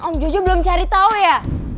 om jojo belum cari tahu ya